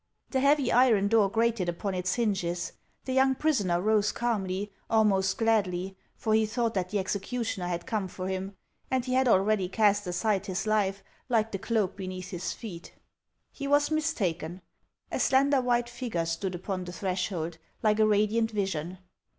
The heavy iron door grated upon its hinges. The young prisoner rose calmly, almost gladly, for he thought that the executioner had come for him, and he had already cast aside his life like the cloak beneath his feet. 460 HANS OF ICELAND. He was mistaken. A slender white figure stood upon the threshold, like a radiant vision.